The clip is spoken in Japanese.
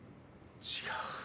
違う。